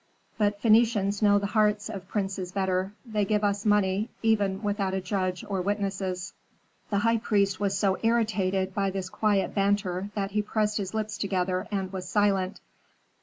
But Phœnicians know the hearts of princes better; they give us money even without a judge or witnesses." The high priest was so irritated by this quiet banter that he pressed his lips together and was silent.